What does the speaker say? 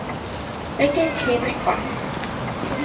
Be' gest ti i frecwast?